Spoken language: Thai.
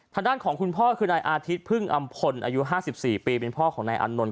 ทางด้านของคุณพ่อคือนายอาทิตย์พึ่งอำพลอายุ๕๔ปีเป็นพ่อของนายอานนท